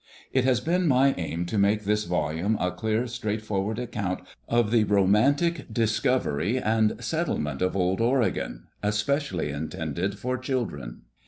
It has been my aim to make this volume a clear, straight forward account of the romantic discovery and settlement of Old Oregon, especially intended for children.